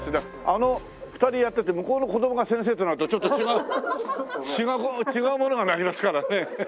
あの２人やってて向こうの子供が先生となるとちょっと違う違うものがなりますからね。